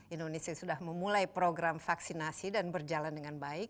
indonesia sudah memulai program vaksinasi dan berjalan dengan baik